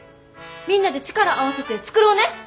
みんなで力合わせて作ろうね！